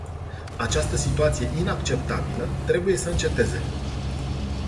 Această situație inacceptabilă trebuie să înceteze.